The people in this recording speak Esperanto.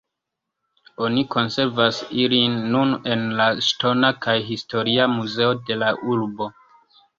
Oni konservas ilin nun en la ŝtona kaj historia muzeoj de la urbo.